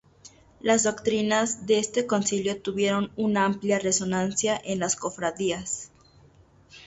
Las doctrinas de este Concilio tuvieron una amplia resonancia en las cofradías.